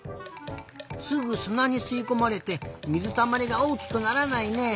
すぐすなにすいこまれて水たまりがおおきくならないね。